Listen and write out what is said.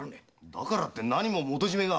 だからって何も元締が。